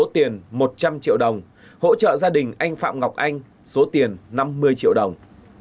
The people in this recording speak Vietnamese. tiền một trăm linh triệu đồng hỗ trợ gia đình anh phạm ngọc anh số tiền năm mươi triệu đồng